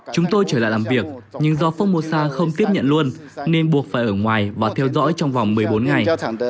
chúng tôi trở lại làm việc nhưng do phong mô sa không tiếp nhận luôn nên buộc phải ở ngoài và theo dõi trong vòng một mươi bốn ngày